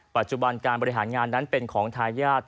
ปัจจุบันการบริหารงานนั้นเป็นของทายาท